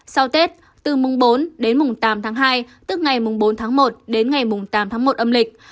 sau tết từ mùng bốn đến mùng tám tháng hai tức ngày mùng bốn tháng một đến ngày mùng tám tháng một âm lịch